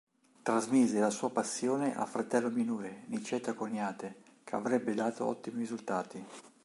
Trasmise la sua passione al fratello minore, Niceta Coniate, che avrebbe dato ottimi risultati.